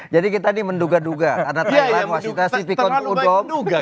jadi kita ini menduga duga karena thailand wasitnya sivikon puhudom